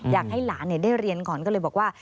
อยากให้หลานได้เรียนก่อนก็เลยบอกว่า